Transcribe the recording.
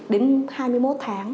đến hai mươi một tháng